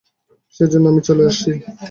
সেজন্যই আমি চলে আসি।